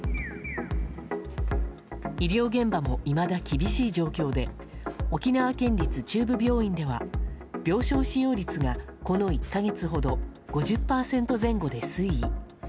医療現場も、いまだ厳しい状況で沖縄県立中部病院では病床使用率が、この１か月ほど５０％前後で推移。